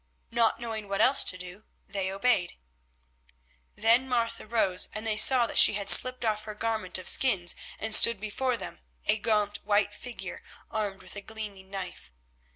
Not knowing what else to do, they obeyed. Then Martha rose and they saw that she had slipped off her garment of skins, and stood before them, a gaunt white figure armed with a gleaming knife.